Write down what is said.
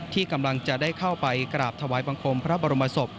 ที่กำลังจะได้เข้าไปกราบถวายบังคมพระบรมศพ